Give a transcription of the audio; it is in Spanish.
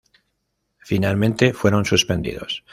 Finalmente fueron suspendidos.